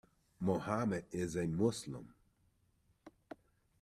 Mohammed is a Muslim.